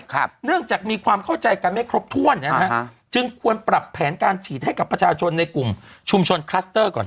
เนื่องจากมีความเข้าใจกันไม่ครบถ้วนนะฮะจึงควรปรับแผนการฉีดให้กับประชาชนในกลุ่มชุมชนคลัสเตอร์ก่อน